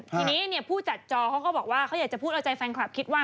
ทีนี้ผู้จัดจอเขาก็บอกว่าเขาอยากจะพูดเอาใจแฟนคลับคิดว่า